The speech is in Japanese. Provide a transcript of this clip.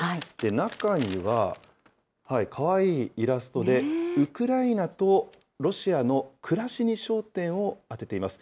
中には、かわいいイラストで、ウクライナとロシアの暮らしに焦点を当てています。